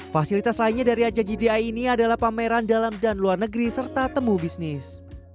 fasilitas lainnya dari aja gdi ini adalah pameran dalam dan luar negeri serta temu bisnis